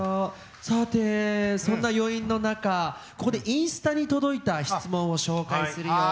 さてそんな余韻の中ここでインスタに届いた質問を紹介するよ。